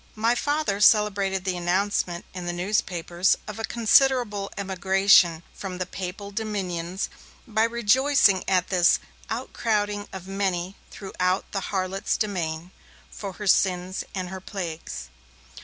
My Father celebrated the announcement in the newspapers of a considerable emigration from the Papal Dominions by rejoicing at 'this outcrowding of many, throughout the harlot's domain, from her sins and her plagues'.